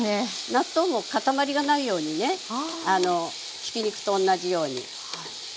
納豆も塊がないようにねひき肉と同じように。